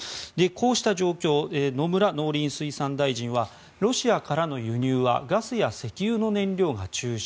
こうした状況を野村農林水産大臣はロシアからの輸入はガスや石油の燃料が中心。